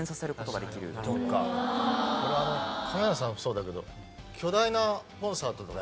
これあの亀梨さんもそうだけど。